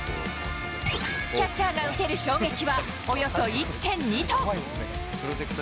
キャッチャーが受ける衝撃は、およそ１．２トン。